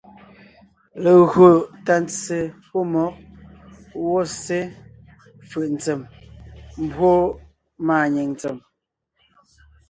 Legÿo tà ntse pɔ́ mmɔ̌g gwɔ̂ ssé fʉ̀’ ntsém, á mbwó pʉ̀a mentsém,